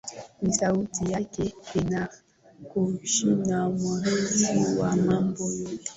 ni sauti yake benard kushina waziri wa mambo ya nje